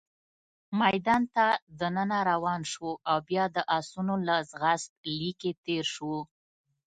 میدان ته دننه روان شوو، او بیا د اسونو له ځغاست لیکې تېر شوو.